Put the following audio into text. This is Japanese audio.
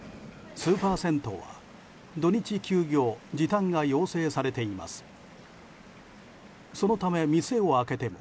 スーパー銭湯は、土日休業時短が要請されています。